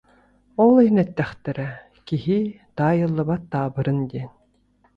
Ол иһин эттэхтэрэ «киһи таайыллыбат таабырын» диэн